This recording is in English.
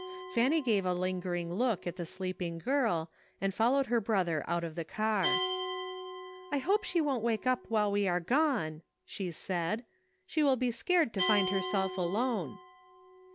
Fanny gave a lingering look at the sleeping girl and followed her brother out of the car. "I hope she won't wake up while we are gone," she said. " She will be scared to find herself alone."